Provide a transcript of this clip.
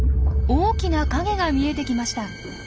大きな影が見えてきました。